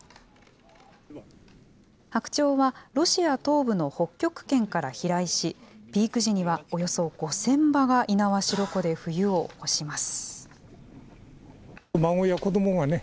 白鳥はロシア東部の北極圏から飛来し、ピーク時にはおよそ５０００羽が猪苗代湖で冬を越します。